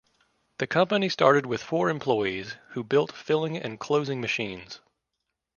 The company started with four employees who built filling and closing machines.